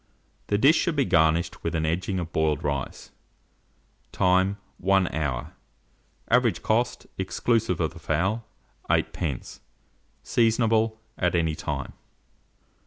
The dish should be garnished with au edging of boiled rice. Time. 1 hour. Average cost, exclusive of the fowl, 8d. Seasonable at any time.